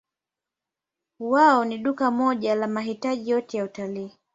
Wao ni duka moja la mahitaji yote ya utalii.